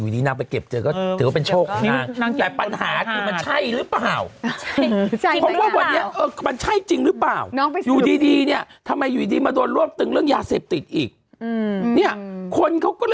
เล็กกว่าเม็ดอันนี้อีก